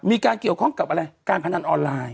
มีการเกี่ยวข้องกับอะไรการพนันออนไลน์